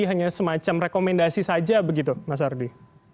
hanya semacam rekomendasi saja begitu mas ardi